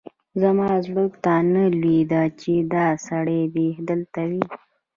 زما زړه ته نه لوېدل چې دا سړی دې دلته وي.